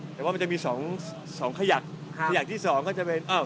แต่ว่ามันจะมีสองสองขยักขยักที่สองก็จะเป็นอ้าว